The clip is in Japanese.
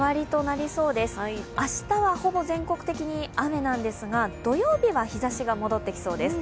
明日はほぼ全国的に雨なんですが土曜日は日ざしが戻ってきそうです。